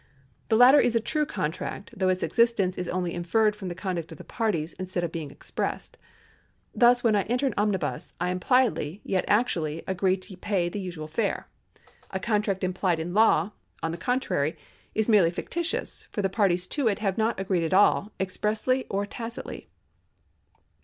The latter is a true contract, though its existence is only inferred from the conduct of the parties, instead of being expressed. Thus when I enter an omnibus, I impliedly, yet actually agree to pay the usual fare. A contract implied in law, on the con trary, is merely fictitious, for the parties to it have not agreed at all, either expressly or tacitly.